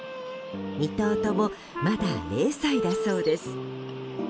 ２頭とも、まだ０歳だそうです。